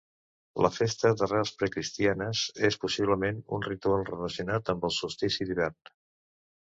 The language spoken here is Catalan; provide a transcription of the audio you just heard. La festa, d'arrels precristianes, és possiblement un ritual relacionat amb el solstici d'hivern.